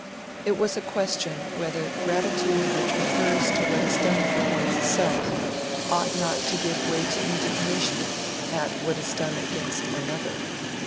It was a question whether gratitude which refers to what is done for one's self ought not to give way to indignation at what is done against another.